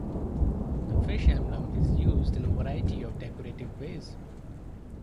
The fish emblem is used in a variety of decorative ways.